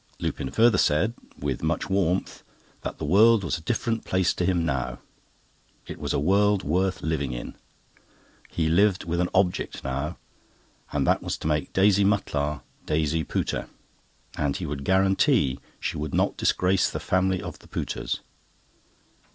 Lupin further said, with much warmth, that the world was a different world to him now,—it was a world worth living in. He lived with an object now, and that was to make Daisy Mutlar—Daisy Pooter, and he would guarantee she would not disgrace the family of the Pooters.